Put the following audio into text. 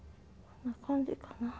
こんな感じかな。